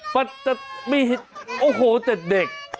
มันจะมีโอ้โหแต่เด็ก